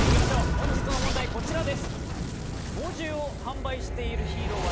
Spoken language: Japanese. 本日の問題はこちらです！